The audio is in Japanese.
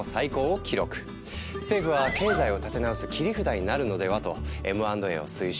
政府は経済を立て直す切り札になるのではとＭ＆Ａを推奨。